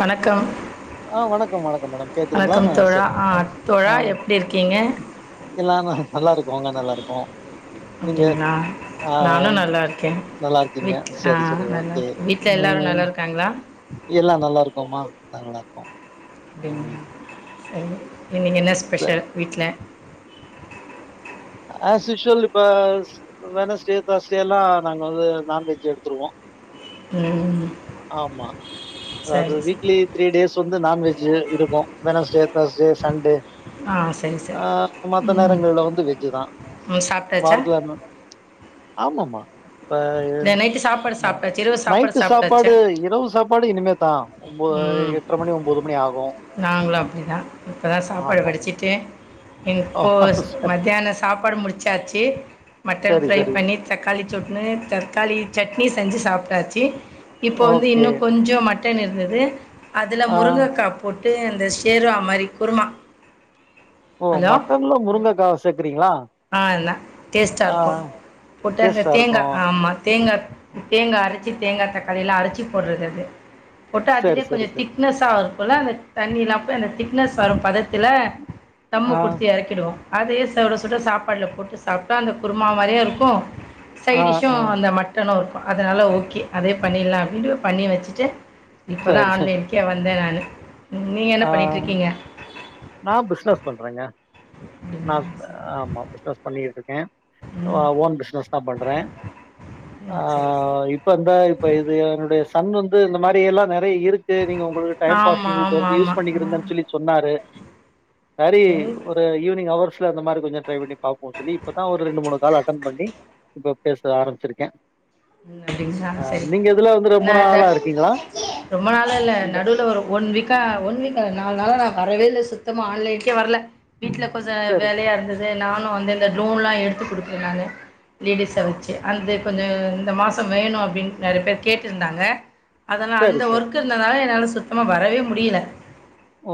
வணக்கம் ஆ வணக்கம் வணக்கம் மேடம் கேக்குதுங்களா? வணக்கம் ஆ தோழா சரி. ஆ ஆ தோழா எப்டி இருக்கீங்க எல்லா நல்லா இருக்கோ அங்க நல்லா இருக்கோ அப்டிங்ளா நானு நல்லா இருக்கே நல்லா இருக்கீங்க. வீட் ஆ சரி, சரி நல்லா ஓகே. இருக் வீட்ல எல்லாரு நல்லா இருக்காங்களா எல்லா நல்லா இருக்கோமா நல்லா இருக்கோ அப்டிங்களா சரி இன்னிக்கு என்ன சரி ஸ்பெஷல் வீட்ல அஸ் யூஷுவல் இப்ப வெனஸ்டே தேஸ்டேல்லா நாங்க வந்து நான்வெஜ் எடுத்துருவோ ம் ஆமா அது சரி சரி வீக்லி த்ரீ டேஸ் வந்து நான்வெஜ் இ இருக்கு வெனஸ்டே தேர்ஸ்டே சண்டே ஆ சரி ஆ சரி மத்த ம் நேரங்கள்ல வந்து வெஜ்ஜுதா ம் சாப்பிட்டாச்சா வாரத்துல ரெண் நாள் ஆமாமா இப்ப இல்லை நைட்டு சாப்பாடு ந சாப்பிட்டாச்சு இரவு சாப்பாடு நைட்டு சாப் சாப்பிட்டாச்சா இப்ப இரவு சாப்பாடு இனிமேதா ஒம்ப எட்ர மணி ஒம்போது மணி ஆகு நாங்களு அப்டி தா இப்போ தா சாப்பாடு ஆமாமா வடிச்சிட்டு ஓ இப்போ ஸ் மத்தியான சாப்பாடு முடிச்சாச்சு மட்டன் சரி ஃப்ரை சரி பண்ணி தக்காளி சொட்னு தக்காளி சட்னி செஞ்சு சாப்டாச்சி இப்போ வந்து ஓகே இன்னு கொஞ்சோ மட் டன் இருந்தது அதுல ஆ முருங்ககா போட்டு இந்த சேருவா மாரி குருமா ஓ ஹலோ மட்டன்ல முருங்ககா சேக்கிறீங்களா ஆ னா டேஸ்ட்டா இருக்கு போட்டு அந்த டேஸ்ட்டா தேங்கா இருக்கும். ஆமா தேங்கா தேங்கா அரச்சி தேங்கா தக்காளிலா அரச்சி போறது அது போட்டு சரி, அதுலேயே கொஞ்ச சரி, சரி. திக்னஸ்ஸா வரு போல அந்த தண்ணில்லா போய் அந்த திக்னஸ் வரு பதத்தில தம்மு ஆ, குடுத்து எறக் கிறோ அதயே சுட சுட சாப்பாடுல போட்டு சாப்ட்டா அந்த குருமா மாரியே இருக்கு ஆ, சைடிஷுயு ஆ. அந்த மட் டனு இருக்கு அதனால ஓகே அதே பண்ணிலா அப்டின்ட்டு பண்ணி வச்சுட்டு இப்போ தா சரி, சரி. ஆன்லைன் கே வந்தே நானு நீங்க என்ன ஆ பண்ணிட்ருக்கீங்க நா பிஸ்னஸ் பண்றேங்க நா அப்டிங்களா அ சரி ஆமா பிசினஸ் பண்ணிகிட்டு இருக்கே அ ம் ஓன் பிசினஸ் தா பண்றே ஆ ம் சரி சரி இப் இப்ப இந்த இப்ப இது என்னுடைய சன் வந்து இந்த மாரி எல்லா நெறைய இருக்கு நீங்க உங்களுக்கு டைம் ஆமா பாசிங் இது ஆமா வந் யூஸ் ஆமா ஆ பண்ணிக்கிருங்கன்னு சொல்லி சொன்னாரு சரி எங் ஒரு இந்த ஈவினிங் ஹவர்ஸ்ல இந்த மாரி கெஞ்சோ ட்ரை பண்ணி பாப்போ சொல்லி இப்பதா ஒரு ரெண்டு மூணு கால் அட்டன் பண்ணி இப்ப பேச ஆரம்பிச்சிருக்கே அப்டிங்களா ஆ சரி நீங்க இதுல வந்து ரொம்ப நா இத நாளா இருக்கீங்களா ரொம்ப நாளா இல்ல இந்த நடுல ஒரு ஒன் வீக் க்கா ஒன் வீக்கா நாலு நாளா நா வரவே இல்ல சுத்தமா ஆன்லைனுக்கே வரல வீட்ல கொஞ்சோ சரி வேலயாருந்தது து நானு வந்து இந்த ட்ரோன்லா எடுத்து குடுப்பே நானு லேடிஸ வச்சு அந்து இப்ப இந்த இந்த மாசம் வேணு அப்பிடின் நெறைய பேர் கேட்டிருந்தாங்க அதனா சரி அந்த ஒர்க் சரி ஒர்க் இருந்தனால என்னால சுத்தமா வரவே முடியல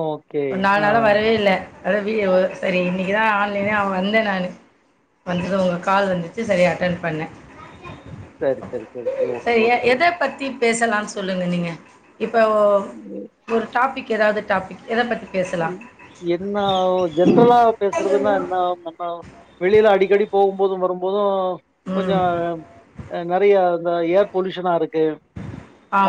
ஓகே ஒரு நாலு ஆ நாளா வரவே இல்ல அத வீ ஒ செரி இன்னக்கிதா ஆன்லைனே அவ வந்தே நானு வந்தது ஒங்க கால் வந்துச்சு செரி அட்டன் பண்ணே சரி சரி சரி சரி ஓகே செரி எ ஓகே ஓகே எத பத்தி பேசலான் சொல்லுங்க நீங்க இப்போ ஓ இவ்வே ஒரு டாபிக் எதாவது டாபிக் எத பத்தி பேச ம் என்னா ஒ ஜென்ரலா பேசுறதுன்னா என்னா மன்னாவ் வெளில அடிக்கடி போகுபோது வருபோது கொஞ்சோ ம் அ நெறைய இந்த ஏர் பொலியுஷனா இருக்கு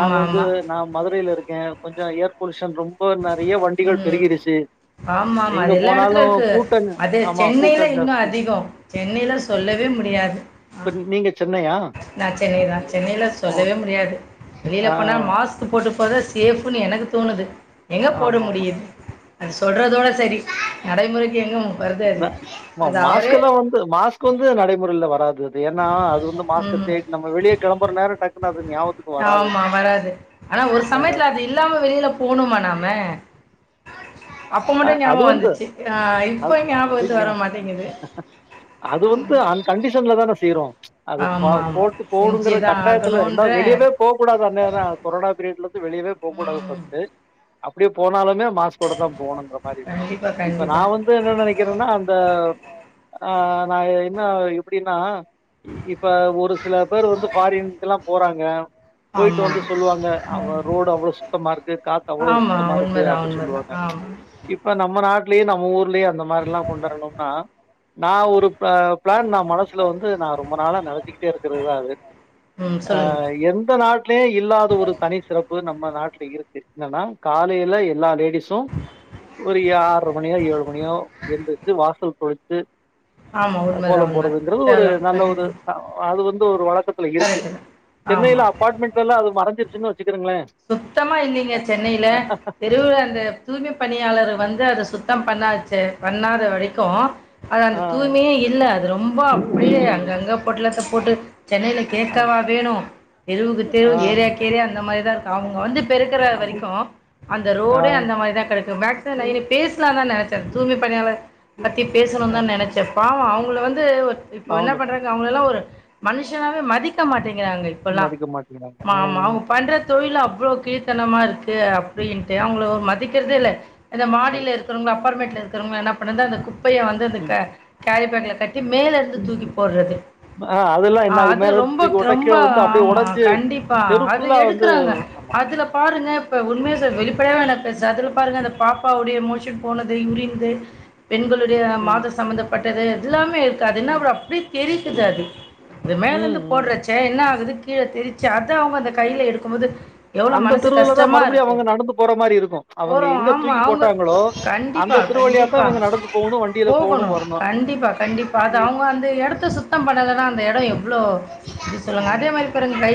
நாங்க வந்து ஆமா நா மதுரைல இருக்கே கொஞ்சோ ஏர் பொலுயுஷன் ரொம்ப நெறைய வண்டிகள் பெருகிருச்சு ஆமாமா எங்க அது எல்லா போனாலு எடத்துலருக்கு கூட்ட அது ஆமா கூட்ட சென்னைல இன்னு ஜாஸ்தி அதிகோ சென்னைல சொல்லவே முடியாது ஆ இப்ப நி நீங்க சென்னையா நா சென்னை தா சென்னைல ஓ சொல்லவே முடியாது வெளில ஆ போனா மாஸ் சு போட்டு போறதா சேஃப்ன்னு எனக்கு தோணுது எங்க போட ஆமாமா முடியுது அது சொல்றதோட செரி நடைமுறைக்கு எங்கும் வருது அது அத அவரே து மாஸ்க்கு வந்து நடைமுறைல வராது அது ஏனா அது வந்து மாஸ்க் ம் தேடி நம் ம வெளிய கெளம்புற நேரோ டக்குனு அது நியாவத்துக் ஆமா வராது ஆனா ஒரு வராது சமயத்துல அது இல்லாம வெளில போணோமா நாம அப்ப அ மட்டு அது ஞாபக வந்து வந்துச்சு அ அது இப்ப அது ஞாபகத்து வர ஞா மாட்டேங்குது அது வந்து அந் கண்டிஷன்லதான செய்றோ அது ப ஆமா, ஆமா. போட்டு போடுங்குற செஞ்சுதான் கட்டாயத்துல ஆகணுன்ற ரெண்டாவ வெளியவே போக்கூடாது அந்நேரம் கொரோனா பீரியட்லந்து வெளியவே போக்கூடாது ம். ஃபஸ்ட்டு அப்பிடியே போனாலுேமே மாஸ்க் கோடதா போணுங்கறமாரி கண்டிப்பா, இப்ப நா கண்டிப்பா. வந் து என்ன நெனக்கிறன்னா அந்த அ நா என்ன எப்டினா இ இப்ப ஒரு சில பேரு வந்து ஃபாரின்க்லா போறாங்க போயிட்டு ஆமா. வந்து சொல்லுவாங்க அவுங்க ரோடு அவ்வளோ சுத்தமாருக்கு காத்து அவ்ளோ ஆமா. சுத்தமாருக்கு உண்மதான், அப்டி உண்மதான். சொல்லுவாங்க ஆமா. இப்ப நம்ம நாட்லயு நம்ம ஊர்லயு அந்த மாரிலா கொண்டுவரணும்னா நா ஒரு ப ப்ளான் நா மனசுல வந்து நா ரொம்ப நாளா நெனச்சிக்கிட்டேருக்கறதுதா அது ம். அ சொல்லுங்க. எந்த நாட் டிலயு இல்லாத ஒரு தனி சிறப்பு நம்ம நாட்ல இருக்கு என்னன்னா காலைல எல்லா லேடிஸும் ஒரு யா ஆறுர மணியோ ஏழு மணியோ எந்துச்சு வாசல் தொழுச்சு ஆமா. உண்மதான், கோலம் உண்ம. போறதுங்கறது ஒரு நல்ல ஒரு அது வந்து ஒரு வழக்கத் துல இருக்கு கரெக்ட்டு தான். ஆமா. சென்னைல அபார்ட்மெண்ட்ல எல்லா அது மறஞ்சிருச்சினு வச்சுக்கிருங்களே சுத்தமா இல்லிங்க சென்னைல தெ ருவுல அந்த தூய்மைப் பணியாளரு வந்து அத சுத்தம் பண்ணாச்சே பண்ணாத வரைக்கு அது ஆ அந்த தூய்மையே இல்ல அது ரொம்ப அப்பிடியே இல்லைங்க இல்லை அங்கங்க பொட்லத்த போட்டு சென்னைல ஆ கேக்கவா வேணு தெருவுக்கு ஆ தெருவு ஏரியாக்கேரியா அந்த மாரிதாருக் அவுங்க வந்து பெருக்கற ஆமாம் வரைக்கும் அந்த ஆ ரோடே அந்த மாரிதா கெடக்கு மேக்ஸ் நா இத பேசலாந்தா நெனச்ச தூய்மை பணியாளர் பத்தி ஆ பேசணுனுதா நெனச்ச பாவோ அவுங்கள வந்து இப்போ இன்ன அவங்க பண்றாங்க அவுங்களல்லா ஒரு மனுஷனாவே மதிக்க மாட்டேங்கிறாங்க இப்பல்லா மதிக்க மாட்டேங்கிறாங்க மா மா ம் அவுங்க பண்றது தொழில் அவ்ளோ கீழத்தனமாருக்கு அப்டின்ட்டு அவுங்கள ஒரு மதிக்கிறதேல்ல இந்த மதி மாடிலரு க்குறவுங்கலா அப்பார்ட்மெண்ட்ல இருக்றவுங்க என்ன பண்ணது அந்த குப்பைய வந்து அந்த ம் க கேரி பேக்ல கட்டி ம் மேலே இருந்து தூக்கி போடுறது ஆ அதெல்லாம் ஆ என்ன ஆகும் அது மேலே இருந்து ரொம்ப தூக்கி போட்டால் ரொம்ப கீழே வந்து அப்படியே ஆமா உடஞ்சி கண்டிப்பா தெரு அது ஃபுல்லாக வந்து எடுக்குறாங்க ஆமாம் அதுல பாருங்க இப்ப உண்மைய வெளிப்படையாவே வேணா பேசுற அதுல பாருங்க அந்த பாப்பா உடைய மோஷன் போனது யூரின் இது பெண்களுடைய ம் மாதம் சம்பமந்தப்பட்டது எல்லாமே இருக்கு அது என்னா ம் அப்றோ அப்டியே தெறிக்குது அது இது மேல ம் இருந்து ம் போடுறச்சே என்ன ஆகுது கீழ தெறிச்சு அதா அவங்க அந்த கையில எடுக்கும்போது எவ்வளோ அந்த மனசு தெருவில் தான் கஷ்டமா மறுபடியும் இருக்கு, அவங்க நடந்து போகிற மாதிரி இருக்கும் அவங்க போறோம் எங்கே ஆமா தூக்கி அவங்க போட்டாங்களோ கண்டிப்பா அந்த தெரு வழியாக தான் கண்டிப்பா இவங்க நடந்து போகணும் வண்டியில் போகணு போகணும் வரணும் கண்டிப்பா கண்டிப்பா அது இ அவங்க அந்த எடத்த சுத் தம் பண்ணலைன்னா அந்த எடம் எவ்ளோ அப்படி சொல்லுங்க அதே ம் மாரி ம் பாருங் க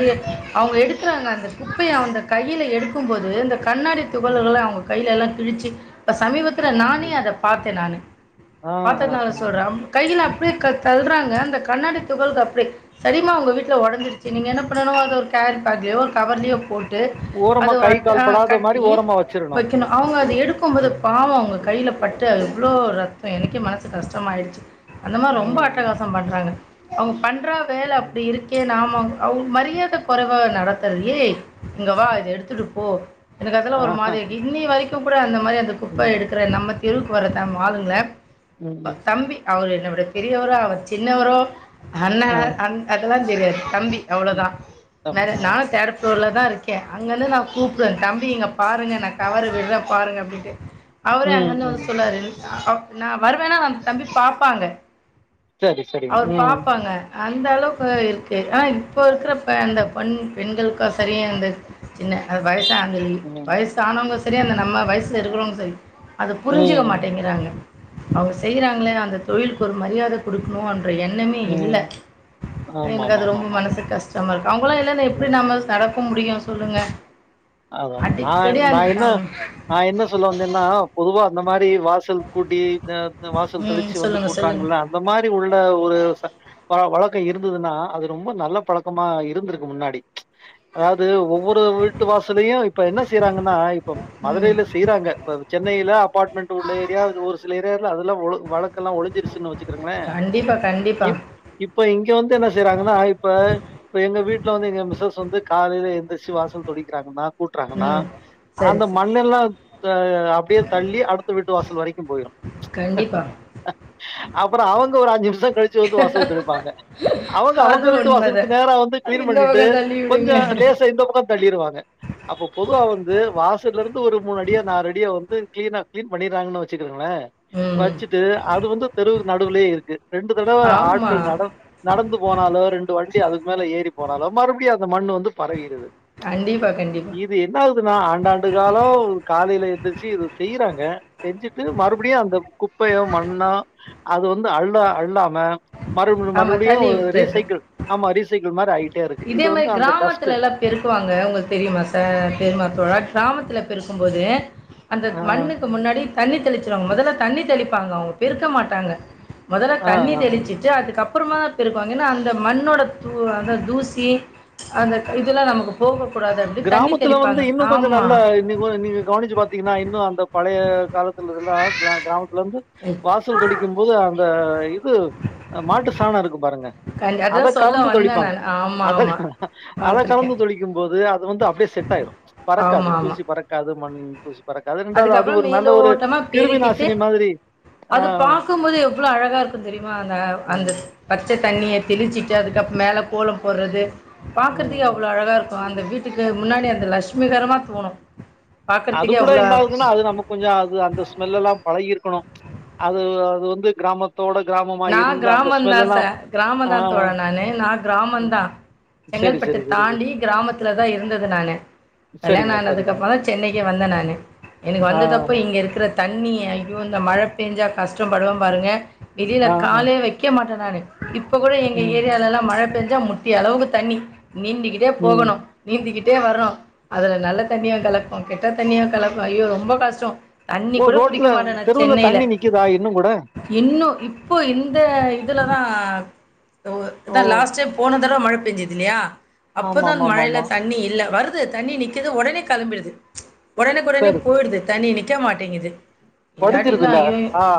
அவங்க எடுக்குறாங்க அந்த குப்பை அந்த கையில எடுக்கும்போது இந்த கண்ணாடி ம் துகள்கள்லா அவங்க கையில எல்லா கிழச்சு இப்போ சமீபத்தில் ஐ நானே அத பாத்தே நானு ஆ ஆ பாத்ததுனால ஆ சொல்றே கையில அப்டியே க தள்ளுறாங்க அந்த கண்ணாடி துகள்க அப்டியே சரிம்மா உங்க வீட்ல ஒடஞ்சிருச்சு நீங்க என்ன பண்ணனு அது ஒரு கேரி பேக்லயோ ஒரு கவர்லயோ போட் டு அத ஓரமா ஒரு கை அட்ட அ கால் படாத மாரி கட்டி ஓரமா வச்சிரணு வைக்கனு அவங்க அது எடுக்கும் போது பாவம் அவங்க கையில பட்டு எவ்வளோ ரத்தம் எனக்கே மனசு கஷ்டமாயிடுச்சு அந்த மாரி ரொம்ப ம் ம் அட்டகாசம் பண்றாங்க அவங்க பண்றா வேல ம் அப்டி இருக் கே நாம அவங்களுக்கு மரியாதை கொறைவா நடத்துறது ஏ இங்கவா இத எடுத்துட்டு போ எனக்கு அதெல்லா ஒரு ஆஹா மாரி இருக்கு இன்னி வரைக்கு கூட அந்த மாரி அந்த குப்பை ம் எடு க்கிற நம்ம தெருவுக்கு வர ஆளுங்க ம் ம் தம்பி அவர் என்னோட பெரியவரோ அவர் சின்னவரோ அண்ண ஆ அ அதெல்லா தெரியாது தம்பி ம் அவ்வளோதா அப் மேல ஆ நானு தேர்டு ஃப்ளோர்லதா இருக்கே அங்கருந்து நா கூப்பிடுவே தம்பி இங்க பாருங்க நா கவரு விடுற பாருங்க அப்படின்ட்டு அவரே ம் அங்கந்து வந்து ம் சொல்லாரு நான் வருவேன்னா அந்த தம்பி பாப்பாங்க சரி சரி அவரு ம் பாப்பாங்க அந்த அளவுக்கு இருக்கு ஆ இப்போ இருக்கிறப்ப அந்த பண் பெண்களுக்க சரியாக இருந்துச்சு சின்ன அது வயச ஆங்கி ம் வயசு ஆனவங்க சரி அந்த நம்ம வயசுல இருக்கறவங்க சரி அத புரிஞ்சுக்க ம் ம் மாட்டேங்கறாங்க அவங்க செய்யறாங்களே அந்த தொழிலுக்கு ஒரு மரியாத குடுக்கணுன்ற எண்ணமே இல்ல ம் எனக்கு அது ரொம்ப ஆமாமாமாமாமா மனசு கஷ்டமா இருக்கும் அவங்க உள இல்லன்னு எப்படி ம் நம்ம சரக்க முடியு சொல்லுங்க அதாதா நா அடிக்கடி நா அந்த என்ன அவங்க நா என்ன சொல்ல வந்தேன்னா பொதுவா அந்த மாரி வாசல் கூட்டி வாசல் ம். தெளிச்சு வந்து சொல்லுங்க, சொல்லுங்க. கூட்றாங்கல்ல அந்த மாரி உள்ள ஒரு ஆ வழக்கோ இருந்துன்னா அது ரொம்ப நல்ல பழக்கமா இருந்துருக்கு முன்னாடி அதாவது ஒவ்வொரு வீட்டு வாசலையும் இப்ப என்ன செய்யறாங்கன்னா இப்ப ம். மதுரையில செய்யறாங்க இப்ப சென்னையில அபார்ட்மெண்ட் உள்ள ஏரியா அது ஒரு சில ஏரியா அதல்லாம் வழக்கெல்லா ஒழஞ்சிருச்சு வச்சு இருங்களேன் கண்டிப்பா, கண்டிப்பா. இப்ப இங்க வந்து என்ன செய்றாங்கன்னா இப்ப இப்ப எங்க வீட்டுல வந்து எங்க மிசஸ் வந்து காலில எந்துருச்சு வாசல் தொளி இருங்கன்னா கூட்டுறாங்கன்னா ம். சரி, அந்த சரி. மண்ணெல்லா அ அப்டியே தள்ளி அடுத்த வீட்டு வாசல் வரைக்கு போயிடு கண்டிப்பா அப்றோ அவங்க ஒரு அஞ்சு நிம்ஷோ கழிச்சு வந்து வாசல் தெளிப்பாங்க அவங்க அவங்க அது வீட்டு உண்மதா. வாசலுக்கு நேரா வந்து கிளீன் இந்த பண்ணிட்டு பக்கம் தள்ளி விடுங்க. கொஞ்சோ லேச இந்த பக்கோ தள்ளிருவாங்க அப்ப பொதுவா வந்து வாசல்ல இருந்து ஒரு மூணடியோ நாலு அடியோ வந்து கிளீனா கிளீன் பண்ணீறாங்கன்னு வெச்சுக்கங்களே ம் வச்சுட்டு அது வந்து தெருவு நடுவுலயே இருக்கு ரெண்டு தடவை ஆமா. ஆட்கள் நட நடந்து போனாலோ ரெண்டு வண்டி அதுக்கு மேல ஏறி போனாலோ மறுபடியும் அந்த மண்ணு வந்து பரகிருது கண்டிப்பா கண்டிப் இது என்னாகுதுனா ஆண்டாண்டு காலோ காலையில எந்திச்சு இது செய்யறாங்க செஞ்சுட்டு மறுபடியு அந்த குப்பையு மண்ணா அது வந்து அள்ள அள்ளாம மறுபடியு ஆமா, மறுபடியு தள்ளி ஒரு விட்டது. ரீசைக்கிள் ஆமா ரீசைக்கிள் மாரி ஆயி இதே மாரி கிராமத்துலல்லா பெருக்குவாங்க உங்களுக்கு தெரியுமா சார் தெரியமாத்தோடா கிராமத்துல பெருக்கும்போது அந்த ஆ, மண்ணுக்கு முன்னாடி தண்ணி தெளிச்சிருவாங்க மொதல்ல தண்ணி தெளிப்பாங்க அவங்க பெருக்க மாட்டாங்க மொதல்ல ஆ, தண்ணி ஆ, ஆ. தெளிச்சிட்டு அதுக்கப்புறமா தா பெருக்குவாங்க என்னா அந்த மண்ணோட தூ அ தூசு சி அந்த இதெல்லா நமக்கு போகக்கூடாது அப்படி தண்ணி தெளிப்பாங்க ஆமா நீங்கோட நீங்க கவனிச்சு பாத்தீங்கன்னா இன்னு அந்த பழைய காலத்தில்லலா கிராமத் ல வந்து வாசல் தொழிக்கும்போது அந்த இது மாட்டு சாணோ இருக்கு பாருங்க கண்டி அத அதான் சொல்ல கலந்து வந்தேன் தொளிப்பாங்க நான் ஆமா, அத ஆமா. அத கலந்து பாத்துருக்கேன். தொளிக்கும்போது அத ரொம்ப அப்டியே செட் ஆயிடோ பறக்காது ஆமா, ஆமா. தூசி பறக்காது மண் தூசி பறக்காது ரெண்டாவது அது அதுக்கப்புறம் ஒரு நல்ல ஒரு மேலோட்டமா கிருமி பெருக்கிட்டு, நாசினி மாதிரி அது ஆஹ் பாக்கும்போது எவ்ளோ அழகா இருக்கு தெரியுமாங்க அந்த உம் பச்ச தண்ணிய தெளிச்சிட்டு அதுக்கு அப் மேலே கோலோம் போடறது உம் பாக்கறதுக்கே உம். அவ்ளோ அழகா இருக்கு அந்த வீட்டுக்கு முன்னாடி அந்த லகஷ்மிகரமா தோணு அது கூட என்ன ஆகுதுன்னா அது நமக்கு கொஞ்சோ அது அந்த ஸ்மெல்ல எல்லா பழகிருக்கணு அது அது வந்து கிராமத் நா கிராமோந்தா சார் கிராமோந்தா தோழ ஆஹ் நானு நா கிராமந்தா சரி செங்கல்பட்டு சரி சரி சரி தாண்டி கிராமத்துலதா இருந்தது நானு கல்யான சரிங்க சரிங்க ஆனதுக்கப்றோ செ சென்னைக்கு வந்தே நானு எனக்கு ஆ வந்த தப்ப இங்க இருக்கிற தண்ணி ஐயோ இந்த மழ பேஞ்சா கஷ்டப்படுவே பாருங்க வெளில ஆ ஆ காலே வைக்க மாட்டே நானு இப்ப கூட எங்க ம் ஏரியாலல்லா மழ பேஞ்சா முட்டியளவுக்கு தண்ணி நீந்திக்கிட்டே ம் போகணு நீந்திக்கிட்டே வரோ அதுல நல்ல தண்ணியா கலப்போ கெட்ட தண்ணியா கலக்கோ ஐயோ ரொம்ப கஷ்டோ தண்ணி ஓ கூட ரோட்ல புடிக்க மாட்டே நா தெருவுல சென்னைல தண்ணி நிக்குதா இன்னு கூட இன்னு இப்போ இந்த இதுலதா ஓ லாஸ்ட் டைம் போனது தடவ மழ பெயஞ்சது இல்லையா ஆமா அப்போதா ஆமா அந்த ஆமா மழல ஆமா தண் ணி இல்ல வருது தண்ணி நிக்குது ஒடனே கெளம்பிடுது ஒடனேக் ஒடனே சரி சரி போய்டுது தண்ணி நிக்க மாட்டேங்குது இல்லாட்டிலா வடிஞ்சிருதுல்ல ஐயயோ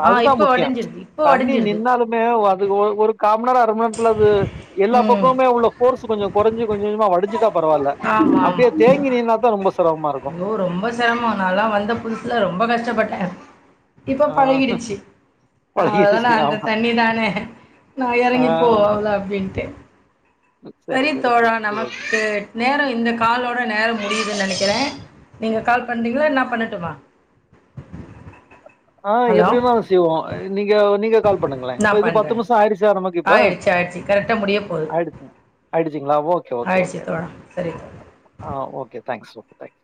ஆ அதுதா இப்ப முக்கியோ வடஞ்சிருது தண்ணி நின்னாலுமே ஒ அது ஒ ஒரு கா மண் நேரோ அர மண் நேரோ த்ல அது எல்லா ம் பக்கமுமே உள்ள போர்ஸ் கொஞ்சோ கொறைஞ்சு கொஞ்ச கொஞ்சமா வடிஞ்சுட்டா பரவால்ல ஆமா அப்டியே ஆமா தேங்கி நீன்னாதா ரொம்ப சிரமமா இருக்கு ஐயோ ரொம்ப செரமோ நாலா வந்த புதுசுல ரொம்ப கஷ்டப்பட்டே இப்போ ஆ பழகிடுச்சு அவ்ளதானே பழகிருச்சு அந்த ஆமா தண்ணி தானே நா ஆ எறங்கிப்போல அப்டின்டே சரி தோழா நமக்கு நேரோ இந்த காலோட நேரோ முடியுதுன்னு நெனைக்குறே நீங்க கால் பண்றீங்ளா நா பண்ணட்டுமா ஆ ஹலோ எப்டின்னா அதா செய்வோ நீங்க நீங்க கால் பண்ணுங்ளே நா இப்ப இது பண்றே பத்து நிமிஷோ ஆயிடுச்சா நமக்கு ஆ ஆயிடுச்சு ஆயிடுச்சு கரெக்டா முடிய போது ஆயடுச்சு ஆயிடுச்சுங்களா ஓகே ஓகே ஆயிடுச்சு ஓகே தோழா சரி தோழா ஆ ஓகே தேங்க்ஸ் ஓகே தேங்க்ஸ்